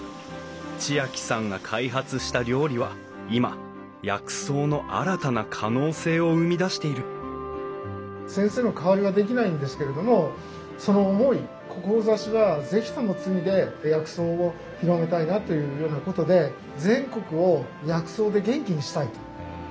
知亜季さんが開発した料理は今薬草の新たな可能性を生み出している先生の代わりはできないんですけれどもその思い志は是非とも継いで薬草を広めたいなというようなことで全国を薬草で元気にしたいと。